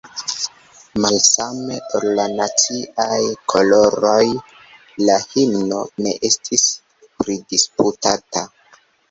Malsame ol la naciaj koloroj, la himno ne estis pridisputata.